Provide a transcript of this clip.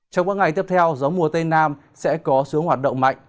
trong các ngày tiếp theo gió mùa tây nam sẽ có xuống hoạt động mạnh